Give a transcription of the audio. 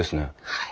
はい。